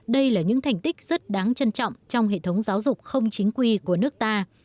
đây là những thành tích rất đáng trân trọng trong hệ thống giáo dục không chính quy của nước ta